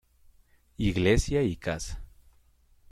Iglesia y casa.